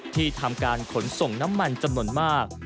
ที่ทำการขนส่งน้ำมันจำหนดที่สุด